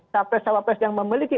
capres cawapres yang memiliki